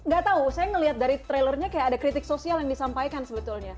gak tahu saya ngelihat dari trailernya kayak ada kritik sosial yang disampaikan sebetulnya